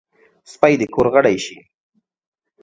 سپي د کور غړی شي.